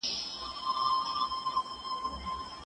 ما به له ډیر پخوا څخه شعرونه ټولول.